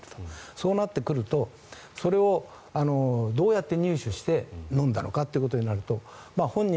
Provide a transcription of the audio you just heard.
そうなってくるとそれをどうやって入手して飲んだのかということになると本人